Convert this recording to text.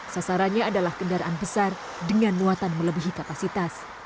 sasarannya adalah kendaraan besar dengan muatan melebihi kapasitas